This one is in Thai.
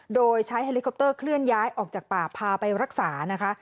โดยใช้เฮลิคอปเตอร์เคลื่อนย้ายออกจากป่าพาไปรักษานะคะ